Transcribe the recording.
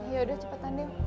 yaudah cepetan nih